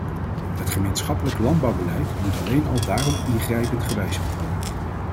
Het gemeenschappelijk landbouwbeleid moet alleen al daarom ingrijpend gewijzigd worden.